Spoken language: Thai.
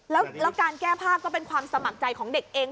แล้วการแก้ภาพก็เป็นความสมัครใจของเด็กเอง